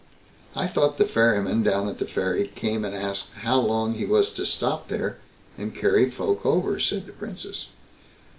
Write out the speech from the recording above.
"I thought the ferryman down at the ferry came and asked how long he was to stop there and carry folk over", said the Princess.